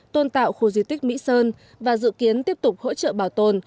tôn tạo khu di tích mỹ sơn và dự kiến tiếp tục hỗ trợ bảo tồn